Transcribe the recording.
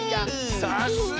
さすが！